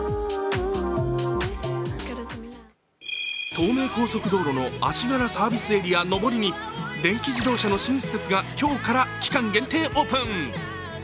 東名高速道路の足柄サービスエリア上りに電気自動車の新施設が今日から期間限定オープン。